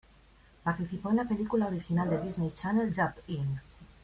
Participó en la película Original de Disney Channel, "Jump In!